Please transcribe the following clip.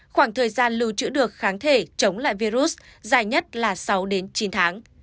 khoảng thời gian lưu trữ được kháng thể chống lại virus dài nhất là sáu đến chín tháng